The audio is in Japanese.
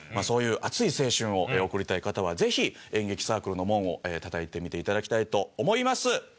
そういう熱い青春を送りたい方はぜひ演劇サークルの門をたたいてみて頂きたいと思います。